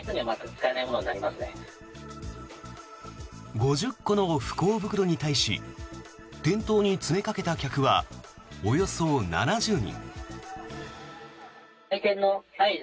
５０個の不幸袋に対し店頭に詰めかけた客はおよそ７０人。